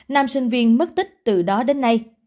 nam sinh viên mất tích từ đó đến nay